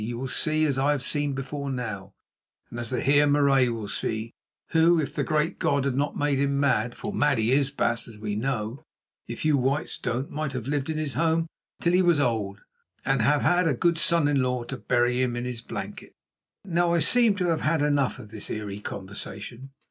You will see, as I have seen before now, and as the Heer Marais will see, who, if the great God had not made him mad—for mad he is, baas, as we know, if you Whites don't—might have lived in his home till he was old, and have had a good son in law to bury him in his blanket." Now I seemed to have had enough of this eerie conversation.